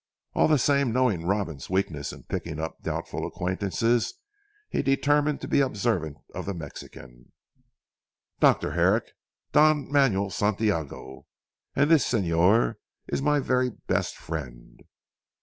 All the same knowing Robin's weakness in picking up doubtful acquaintances, he determined to be observant of the Mexican. "Dr. Herrick, Don Manuel Santiago. And this Señor, is my very best friend."